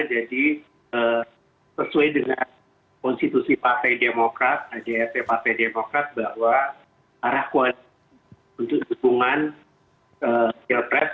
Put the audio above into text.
jadi sesuai dengan konstitusi partai demokrat ajrt partai demokrat bahwa arah koalisi untuk dukungan ke jepres